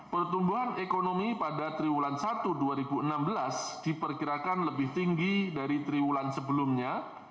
pertumbuhan ekonomi pada triwulan satu dua ribu enam belas diperkirakan lebih tinggi dari triwulan sebelumnya